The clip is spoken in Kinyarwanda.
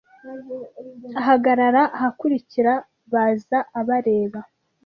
ahagarara ahakurikirabaza abareba